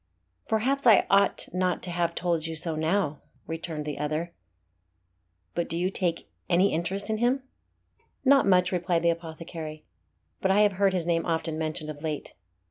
"Perhaps I ought not to have told you so now," returned the other. "But do you take any interest in him?" "Not much," replied the apothecary; "but I have heard his name often mentioned of late.